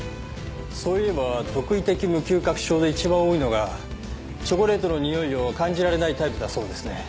そういえば特異的無嗅覚症で一番多いのがチョコレートのにおいを感じられないタイプだそうですね。